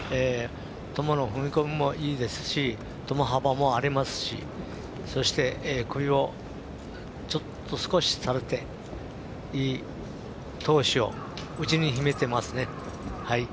トモの踏み込みもいいですしトモ幅もありますしそして、首を少し垂れていい闘志を内に秘めてますね。